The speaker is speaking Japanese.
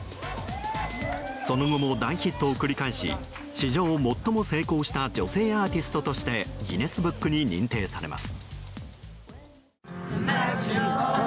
その後も大ヒットを繰り返し史上最も成功した女性アーティストとしてギネスブックに認定されます。